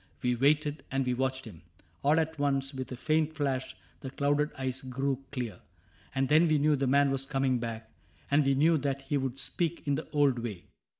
We waited, and we watched him. All at once. With a faint flash, the clouded eyes grew clear ; And then we knew the man was coming back, And we knew that he would speak in the old way.